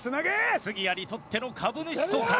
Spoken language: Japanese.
杉谷にとっての株主総会。